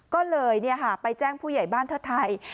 ก็เลยไปแจ้งผู้ใหญ่บ้านเทิดไทย